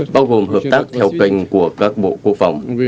bao gồm hợp tác theo kênh của các bộ quốc phòng